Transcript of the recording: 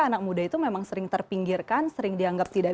anak muda itu memang sering terpinggirkan sering dianggap tidak